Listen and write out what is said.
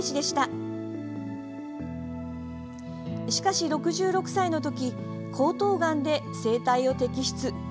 しかし、６６歳のとき喉頭がんで声帯を摘出。